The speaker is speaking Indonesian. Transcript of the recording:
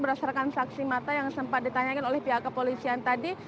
berdasarkan saksi mata yang sempat ditanyakan oleh pihak kepolisian tadi